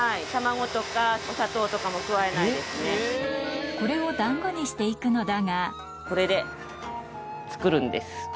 卵とかお砂糖とかも加えないこれをだんごにしていくのだこれで作るんです。